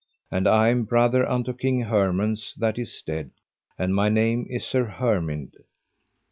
And I am brother unto King Hermance that is dead, and my name is Sir Hermind.